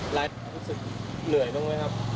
รู้สึกเหนื่อยบ้างไหมครับ